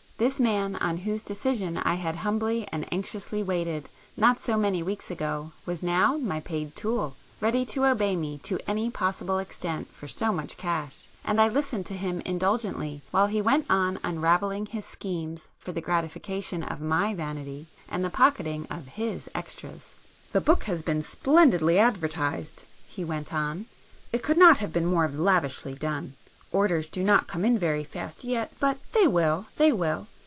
This man on whose decision I had humbly and anxiously waited not so many weeks ago was now my paid tool,—ready to obey me to any possible extent for so much cash,—and I listened to him indulgently while he went on unravelling his schemes for the gratification of my vanity, and the pocketing of his extras. "The book has been splendidly advertised"—he went on; "It could not have been more lavishly done. Orders do not come in very fast yet—but they will,—they will.